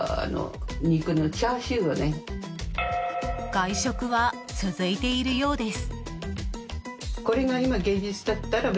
外食は続いているようです。